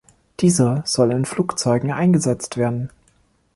Dieser soll in Flugzeugen eingesetzt werden.